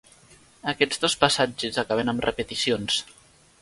Aquests dos passatges acaben amb repeticions.